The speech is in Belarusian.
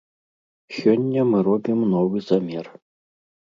Сёння мы робім новы замер.